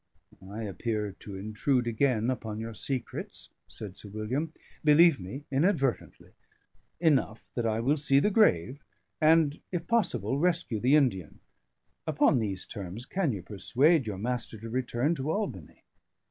"I appear to intrude again upon your secrets," said Sir William, "believe me, inadvertently. Enough that I will see the grave, and (if possible) rescue the Indian. Upon these terms, can you persuade your master to return to Albany?"